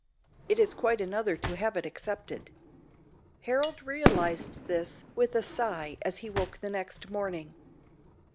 It is quite another to have it accepted. Harold realized this with a sigh as he woke the next morning.